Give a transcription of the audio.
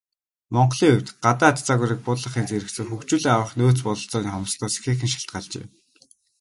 Монголын хувьд, гадаад загварыг буулгахын зэрэгцээ хөгжүүлэн авах нөөц бололцооны хомсдолоос ихээхэн шалтгаалжээ.